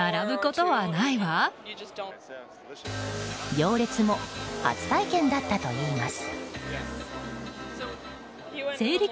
行列も初体験だったといいます。